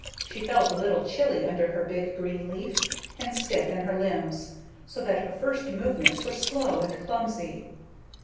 She felt a little chilly under her big green leaf, and stiff in her limbs, so that her first movements were slow and clumsy.